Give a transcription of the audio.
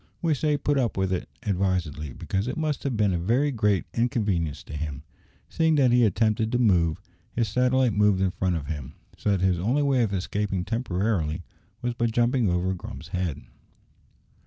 We say put up with it advisedly, because it must have been a very great inconvenience to him, seeing that if he attempted to move, his satellite moved in front of him, so that his only way of escaping temporarily was by jumping over Grumps's head.